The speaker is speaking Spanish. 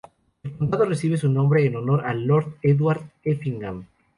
El condado recibe su nombre en honor a Lord Edward Effingham.